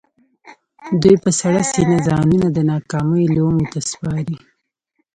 دوی په سړه سينه ځانونه د ناکامۍ لومو ته سپاري.